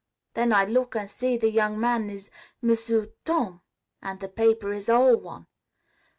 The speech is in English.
Then I look an' see the young man is M'sieu' Tom, an' the paper is ol' one.